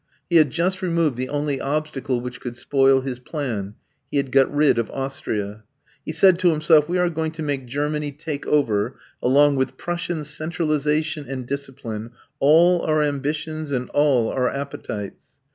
He had just removed the only obstacle which could spoil his plan; he had got rid of Austria. He said to himself: "We are going to make Germany take over, along with Prussian centralization and discipline, all our ambitions and all our appetites.